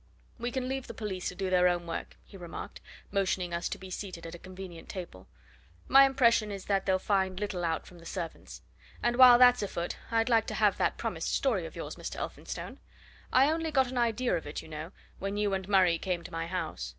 "We can leave the police to do their own work," he remarked, motioning us to be seated at a convenient table. "My impression is that they'll find little out from the servants. And while that's afoot, I'd like to have that promised story of yours, Mr. Elphinstone I only got an idea of it, you know, when you and Murray came to my house.